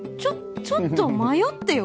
ちょっとは迷ってよ